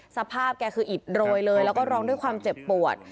สภาพแกคืออิดโรยเลยแล้วก็ร้องด้วยความเจ็บปวด